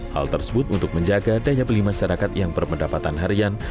hal tersebut untuk menjaga daya beli masyarakat yang berpendapatan harian